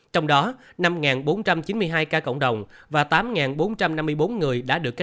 trong đó năm bốn trăm chín mươi hai ca cộng đồng và tám bốn trăm năm mươi bốn người